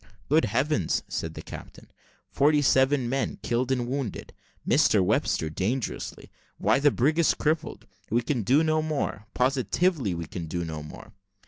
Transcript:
"Good heavens!" said the captain, "forty seven men killed and wounded; Mr Webster dangerously. Why, the brig is crippled. We can do no more positively, we can do no more."